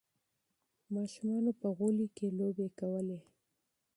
ماشومانو په انګړ کې لوبې کولې.